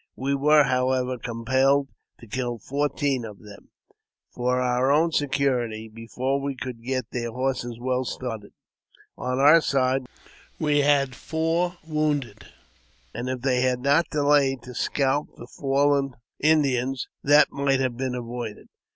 We were, however, compelled to kill fourteen of them, for our own security, before we could get their horses well started. On our side we had four wounded; and if they had not delayed to scalp the fallen Indians, that might have been avoided.